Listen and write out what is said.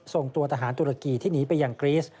ส่งตัวตาหารตุรกิที่หนีไปอย่างครีท